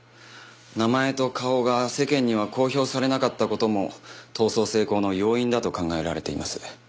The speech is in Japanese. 名前と顔が世間には公表されなかった事も逃走成功の要因だと考えられています。